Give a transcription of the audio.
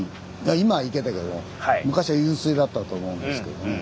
今は池だけども昔は湧水だったと思うんですけどね。